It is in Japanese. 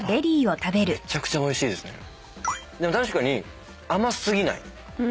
確かに甘過ぎない。